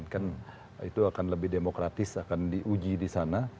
kan itu akan lebih demokratis akan diuji disana